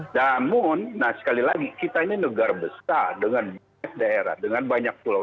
namun sekali lagi kita ini negara besar dengan banyak daerah dengan banyak pulau